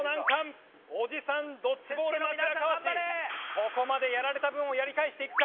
ここまでやられた分をやり返していくか？